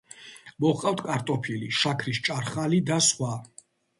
მოჰყავთ კარტოფილი, შაქრის ჭარხალი და სხვა.